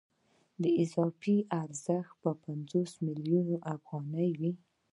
نو اضافي ارزښت به پنځوس میلیونه افغانۍ وي